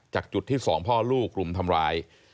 จากจุดที่สองพ่อลูกรุมทำร้าย